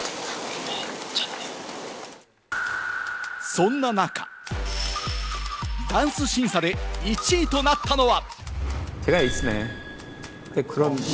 そんな中、ダンス審査で１位となったのは。